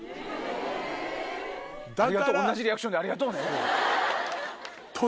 同じリアクションでありがとうね。